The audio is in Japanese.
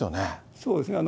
そうですね。